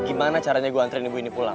gimana caranya gue antrian ibu ini pulang